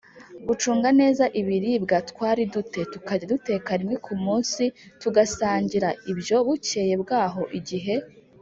gucunga neza ibiribwa twari du te tukajya duteka rimwe ku munsi tugasangira ibyo Bukeye bwaho igihe